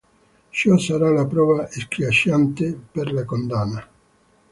Ciò sarà la prova schiacciante per la condanna.